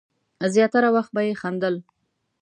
زیاتره وخت به یې خندل.